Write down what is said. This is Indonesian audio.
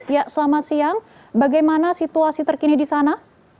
ya selamat siang bagaimana situasi terkini di sana